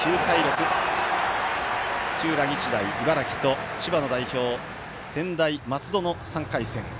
土浦日大、茨城と千葉の代表、専大松戸の３回戦。